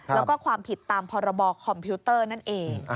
แล้วก็ความผิดตามพรบคอมพิวเตอร์นั่นเอง